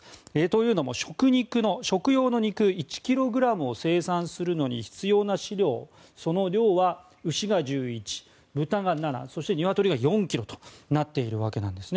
というのも食用の肉１ｋｇを生産するのに必要な飼料の量は、牛が１１豚が７、そして鶏が４ｋｇとなっているわけです。